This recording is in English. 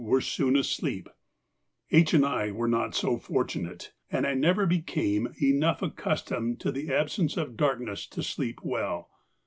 were soon asleep; H. and I were not so fortunate, and I never became enough accustomed to the absence of darkness to sleep well.